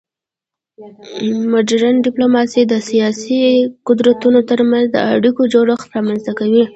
مډرن ډیپلوماسي د سیاسي قدرتونو ترمنځ د اړیکو جوړښت رامنځته کوي